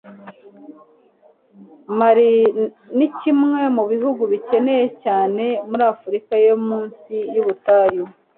mali ni kimwe mu bihugu bikennye cyane muri afurika yo munsi y'ubutayu